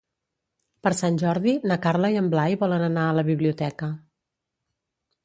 Per Sant Jordi na Carla i en Blai volen anar a la biblioteca.